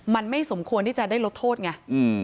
มันไม่สมควรที่จะได้ลดโทษไง